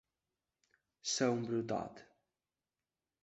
Ser un burot.